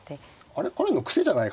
あれ彼の癖じゃないかな。